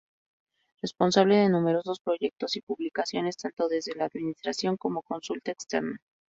Responsable de numerosos proyectos y publicaciones tanto desde la Administración como consultora externa.